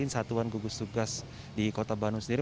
satuan gugus tugas di kota bandung sendiri